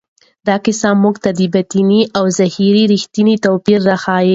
دا کیسه موږ ته د باطن او ظاهر رښتینی توپیر راښیي.